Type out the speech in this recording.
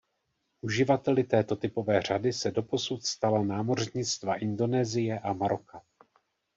Uživateli této typové řady se doposud stala námořnictva Indonésie a Maroka.